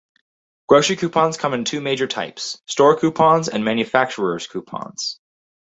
Grocery coupons come in two major types: store coupons and manufacturer's coupons.